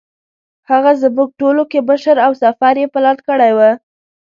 هغه زموږ ټولو کې مشر او سفر یې پلان کړی و.